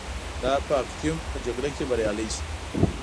دا په اکتیوم په جګړه کې بریالی شو